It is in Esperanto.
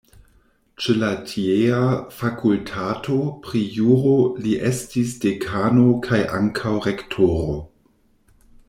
Ĉe la tiea fakultato pri juro li estis dekano kaj ankaŭ rektoro.